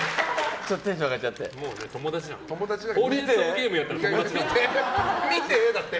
ちょっとテンション上がっちゃって。